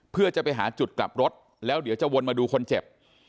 เพื่อจะไปหาจุดกลับรถแล้วเดี๋ยวจะวนมาดูคนเจ็บ